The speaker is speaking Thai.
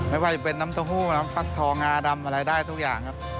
ไม่ว่าจะเป็นน้ำเต้าหู้น้ำฟักทองงาดำอะไรได้ทุกอย่างครับ